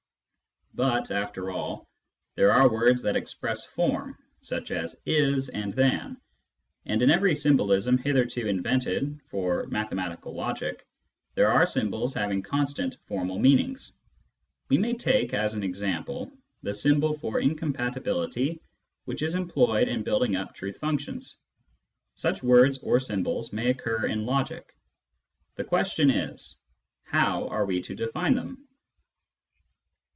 But, after all, there are words that express form, such as " is " and " than." And in every symbolism hitherto invented for mathematical logic there are symbols having constant formal meanings. We may take as an example the symbol for in compatibility which is employed in building up truth functions. Such words or symbols may occur in logic. The question is : How are we to define them